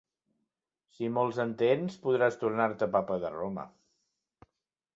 Si molts en tens podràs tornar-te papa de Roma.